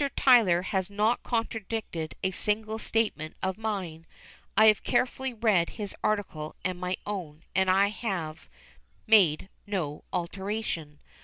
Tytler has not contradicted a single statement of mine. I have carefully read his article and my own, and I have made no alteration.